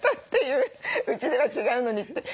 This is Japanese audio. うちでは違うのにって。